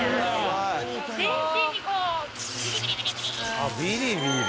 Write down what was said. あビリビリ。